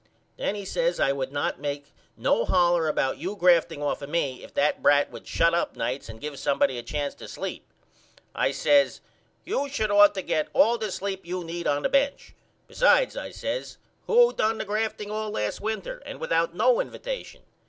Then he says I would not make no holler about you grafting off of me if that brat would shut up nights and give somebody a chance to sleep. I says You should ought to get all the sleep you need on the bench. Besides, I says, who done the grafting all last winter and without no invatation?